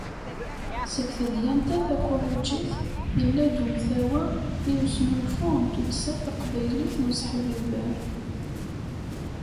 Seg tedyant-a takulujit, yella-d umtawa i usnulfu n Tuddsa taqbaylit n useḥbiber.